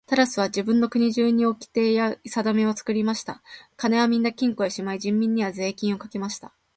タラスは自分の国中におきてやさだめを作りました。金はみんな金庫へしまい、人民には税金をかけました。